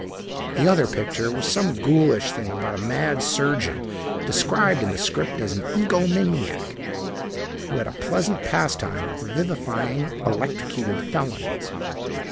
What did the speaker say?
The other picture was some ghoulish thing about a mad surgeon, described in the script as an "ego maniac," who had a pleasant pastime of revivifying electrocuted felons.